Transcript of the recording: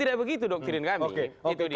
tidak begitu doktrin kami